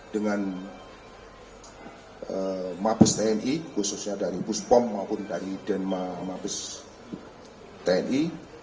dengan mapis tni khususnya dari puspom maupun denma mapis tni